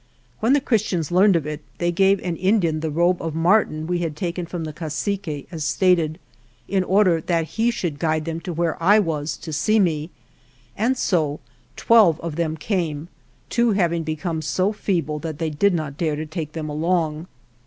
When the Christians learn ed of it they gave an Indian the robe of marten we had taken from the cacique, as stated, in order that he should guide them to where I was, to see me, and so twelve of them came, two having become so feeble that they did not dare to take them along.